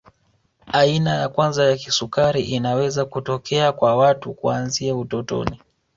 Aina ya kwanza ya kisukari inaweza kutokea kwa watu kuanzia utotoni